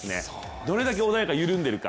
どれだけ穏やか、緩んでるか。